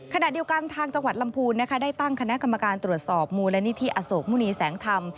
ขณะเดียวกันทางจังหวัดลำพูนนะคะได้ตั้งคณะกรรมการตรวจสอบมูลนิธิอโศกมุณีแสงธรรม